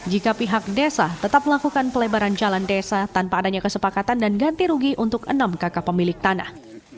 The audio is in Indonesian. jika pihak desa tetap melakukan pelebaran jalan desa tanpa adanya kesepakatan dan ganti rugi untuk enam kakak pemilik tanah